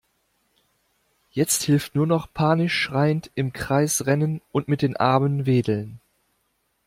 Jetzt hilft nur noch panisch schreiend im Kreis rennen und mit den Armen wedeln.